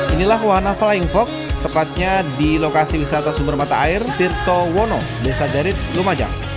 inilah wahana flying fox tepatnya di lokasi wisata sumber mata air tirto wono desa derit lumajang